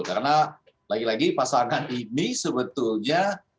karena lagi lagi pasangan ini sebetulnya